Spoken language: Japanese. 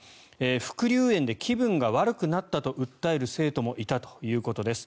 副流煙で気分が悪くなったと訴える生徒もいたということです。